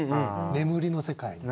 眠りの世界に。